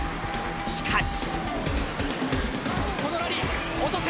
しかし。